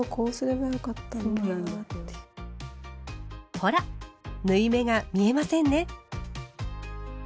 ほら縫い目が見えませんね。